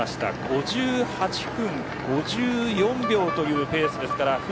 ５８分５４秒というペースです。